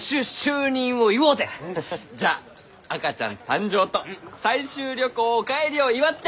じゃあ赤ちゃん誕生と採集旅行お帰りを祝って！